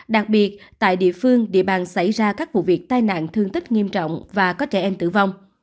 đặc biệt tại địa phương địa bàn xảy ra các vụ việc tai nạn thương tích nghiêm trọng và có trẻ em tử vong